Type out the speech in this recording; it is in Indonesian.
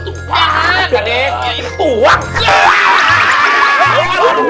aduh aduh aduh aduh aduh aduh aduh aduh